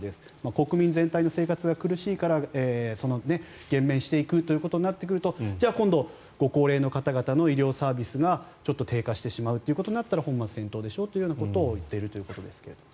国民全体の生活が苦しいから減免していくということになってくると今度ご高齢の方々の医療サービスが低下してしまうということになったら本末転倒でしょということを言っているということですが。